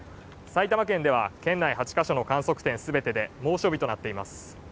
埼玉県では県内８カ所の観測点全てで猛暑日となっています。